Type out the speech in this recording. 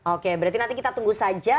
oke berarti nanti kita tunggu saja